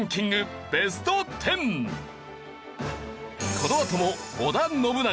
このあとも織田信長